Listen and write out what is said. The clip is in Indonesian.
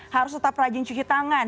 harus tetap rajin cuci tangan